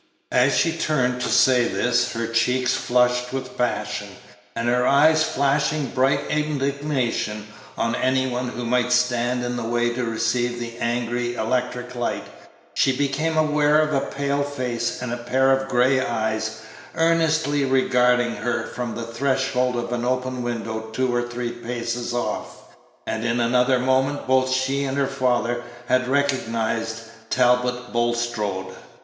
As she turned to say this, her cheeks flushed with passion, and her eyes flashing bright indignation on any one who might stand in the way to receive the angry electric light, she became aware of a pale face and a pair of gray eyes earnestly regarding her from the threshold of an open window two or three paces off, and in another moment both she and her father had recognized Talbot Bulstrode.